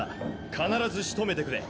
必ずしとめてくれ。